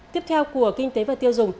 tiếp theo của kinh tế và tiêu dùng